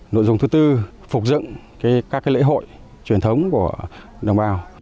nội dung thứ ba là sẽ bảo tồn